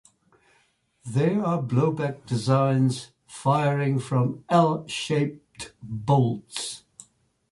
They are blowback designs firing from "L"-shaped bolts.